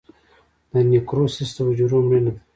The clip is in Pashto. د نیکروسس د حجرو مړینه ده.